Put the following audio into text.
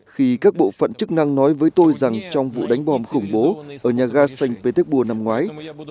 khi các bộ phận chức năng nói với tôi rằng trong vụ đánh bom khủng bố ở nhà ga sanh petersburg năm ngoái